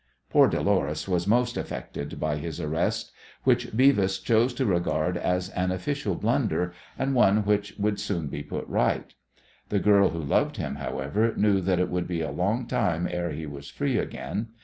Poor Dolores was most affected by his arrest, which Beavis chose to regard as an official blunder and one which he would soon put right. The girl who loved him, however, knew that it would be a long time ere he was free again.